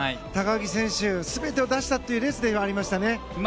高木選手、全てを出したというレースでもありましたね。